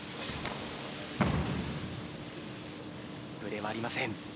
ぶれはありません。